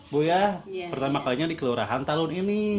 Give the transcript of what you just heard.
bu ya pertama kalinya dikeluarahan tahun ini